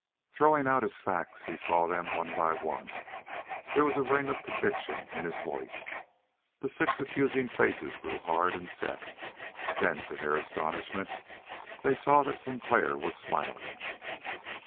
Throwing out his facts as he saw them, one by one, there was a ring of conviction in his voice. The six accusing faces grew hard and set. Then, to their astonishment, they saw that Sinclair was smiling!